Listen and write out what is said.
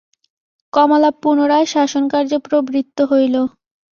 কমলা পুনরায় শাসনকার্যে প্রবৃত্ত হইল।